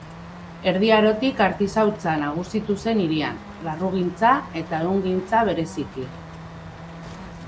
Erdi Arotik artisautza nagusitu zen hirian, larrugintza eta ehungintza bereziki.